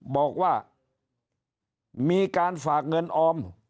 บอกว่ามีการฝากเงินออม